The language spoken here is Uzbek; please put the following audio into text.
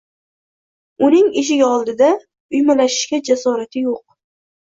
Uning eshigi oldida uymalashishga jasorati yo'q.